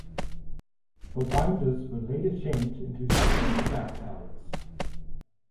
The winders were later changed into security guard towers.